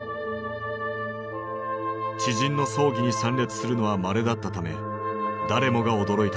知人の葬儀に参列するのはまれだったため誰もが驚いたという。